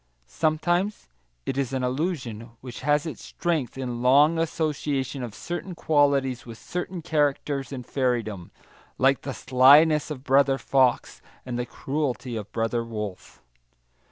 Sometimes it is an allusion which has its strength in long association of certain qualities with certain characters in fairydom like the slyness of Brother Fox, and the cruelty of Brother Wolf.